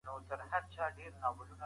د فارابي کتابونه بايد ژباړل سي.